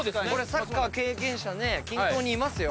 サッカー経験者均等にいますよ。